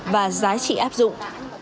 và giá trị áp dụng